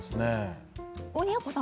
鬼奴さん